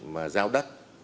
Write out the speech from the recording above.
mà giao đất